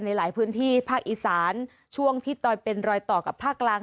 ในหลายพื้นที่ภาคอีสานช่วงที่ตอนเป็นรอยต่อกับภาคกลาง